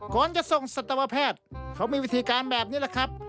ก่อนจะส่งสัตวแพทย์เขามีวิธีการแบบนี้แหละครับ